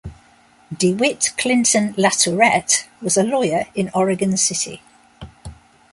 DeWitt Clinton Latourette was a lawyer in Oregon City.